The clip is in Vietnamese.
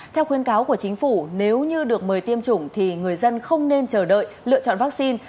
theo khuyên cáo của chính phủ nếu như được mời tiêm chủng thì người dân không nên chờ đợi lựa chọn vaccine